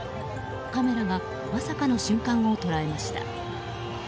カメラがまさかの瞬間を捉えました。